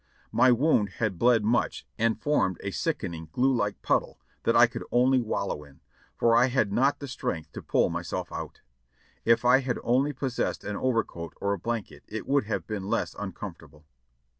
My wound had bled much and formed a sickening, glue like puddle, that I could only wallow in, for I had not the strength to pull myself out. If I had only possessed an overcoat or a blanket it would have been less uncomfortable.